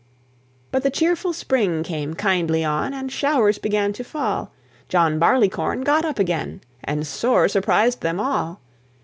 But the cheerful spring came kindly on, And showers began to fall; John Barleycorn got up again, And sore surprised them all.